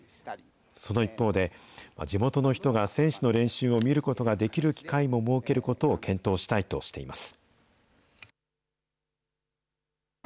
その一方で、地元の人が選手の練習を見ることができる機会も設けることを検討したいとしています。